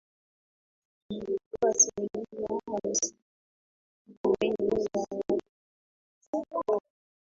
ambapo asilimia hamsini na mbili ya wapiga kura